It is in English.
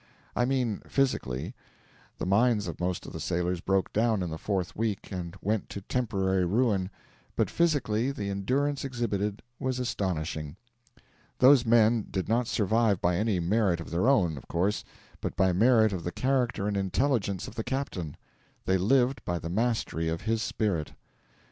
I mean, physically. The minds of most of the sailors broke down in the fourth week and went to temporary ruin, but physically the endurance exhibited was astonishing. Those men did not survive by any merit of their own, of course, but by merit of the character and intelligence of the captain; they lived by the mastery of his spirit.